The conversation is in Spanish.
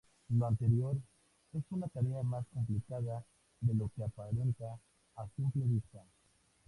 Lo anterior es una tarea más complicada de lo que aparenta a simple vista.